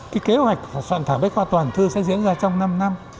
cái kế hoạch soạn thảo bách khoa toàn thư sẽ diễn ra trong năm năm